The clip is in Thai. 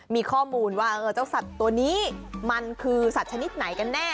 มีข้อมูลว่าเจ้าสัตว์ตัวนี้มันคือสัตว์ชนิดไหนกันแน่